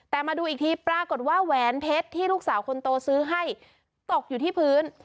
แต่มาดูอีกทีปรากฏว่าแหวนเพชรที่ลูกสาวคนโตซื้อให้ตกอยู่ที่พื้น